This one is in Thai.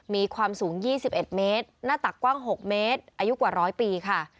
มีความสูง๒๑เมตรหน้าตักกว้าง๖เมตรอายุกว่า๑๐๐ปีค่ะ